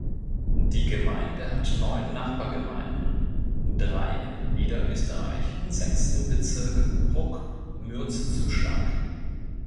Die Gemeinde hat neun Nachbargemeinden, drei in Niederösterreich, und sechs im Bezirk Bruck-Mürzzuschlag.